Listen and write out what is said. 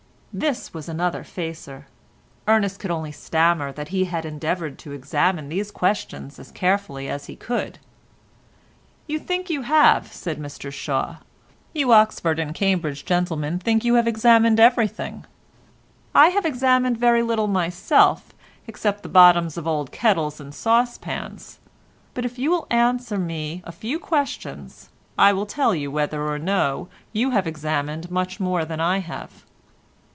This was another facer. Ernest could only stammer that he had endeavoured to examine these questions as carefully as he could. "You think you have," said Mr Shaw; "you Oxford and Cambridge gentlemen think you have examined everything. I have examined very little myself except the bottoms of old kettles and saucepans, but if you will answer me a few questions, I will tell you whether or no you have examined much more than I have."